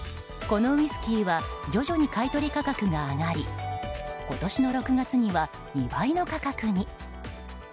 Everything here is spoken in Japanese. このウイスキーは徐々に買い取り価格が上がり今年の６月には２倍の価格に。